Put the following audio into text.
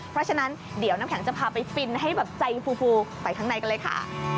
เพราะฉะนั้นเดี๋ยวน้ำแข็งจะพาไปฟินให้แบบใจฟูไปข้างในกันเลยค่ะ